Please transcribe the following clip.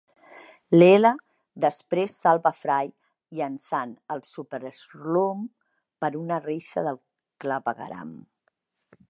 Leela després salva Fry llançant el súper-slurm per una reixa del clavegueram.